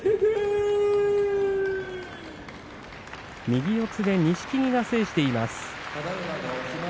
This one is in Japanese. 右四つで錦木が制しています。